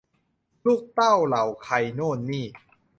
ลูกเต้าเหล่าใครโน่นนี่